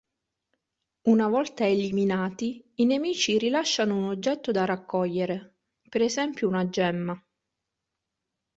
Una volta eliminati, i nemici rilasciano un oggetto da raccogliere, per esempio una gemma.